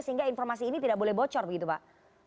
sehingga informasi ini tidak boleh bocor begitu pak